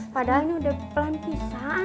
padahal ini udah pelan pisang